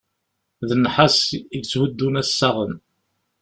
D nnḥas i yetthuddun assaɣen.